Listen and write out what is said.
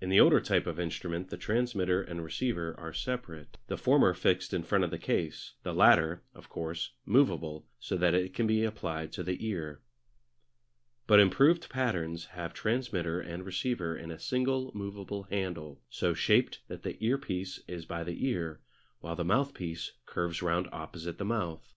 In the older type of instrument the transmitter and receiver are separate, the former fixed in front of the case, the latter, of course, movable so that it can be applied to the ear. But improved patterns have transmitter and receiver in a single movable handle, so shaped that the earpiece is by the ear while the mouthpiece curves round opposite the mouth.